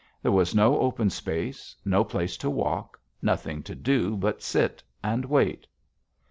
There was no open space, no place to walk, nothing to do but sit and wait.